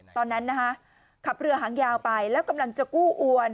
ตอนนั้นนะคะขับเรือหางยาวไปแล้วกำลังจะกู้อวน